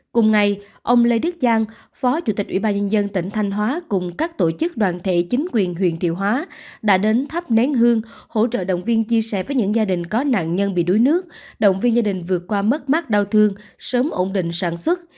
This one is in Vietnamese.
cùng ngày ông lê đức giang phó chủ tịch ủy ban nhân dân tỉnh thanh hóa cùng các tổ chức đoàn thể chính quyền huyện thiệu hóa đã đến thắp nén hương hỗ trợ động viên chia sẻ với những gia đình có nạn nhân bị đuối nước động viên gia đình vượt qua mất mát đau thương sớm ổn định sản xuất